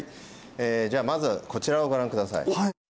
じゃあまずはこちらをご覧ください